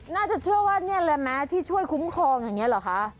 น่าจะเชื่อว่านี่แหละแม้ที่ช่วยคุ้มครองอย่างนี้เหรอคะ